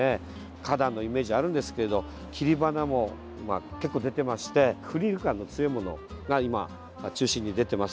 花壇のイメージあるんですけれど切り花も結構出ていましてフリル感の強いものが今、中心に出ています。